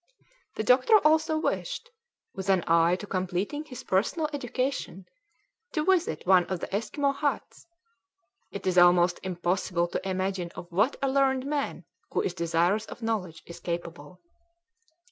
The doctor also wished, with an eye to completing his personal education, to visit one of the Esquimaux huts; it is almost impossible to imagine of what a learned man who is desirous of knowledge is capable.